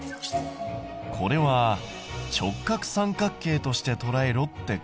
これは直角三角形としてとらえろってことだな。